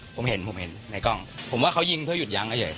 ผมเห็นผมเห็นในกล้องผมว่าเขายิงเพื่อหยุดยั้งเฉย